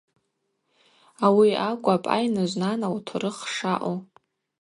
Ауи акӏвапӏ Айныжв Нана лтурых шаъу.